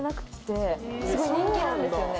すごい人気なんですよね。